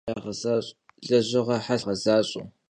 Lejığe helhe psori maşşineç'e yağezaş'e.